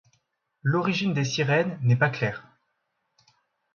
L’origine des sirènes n’est pas claire.